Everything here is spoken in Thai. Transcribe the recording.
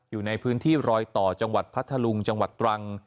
อยู่ในพื้นที่รอยต่อจังหวัดพัทธลุงจังหวัดตรัง